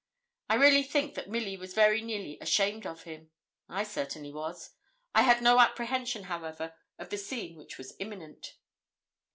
I really think that Milly was very nearly ashamed of him. I certainly was. I had no apprehension, however, of the scene which was imminent.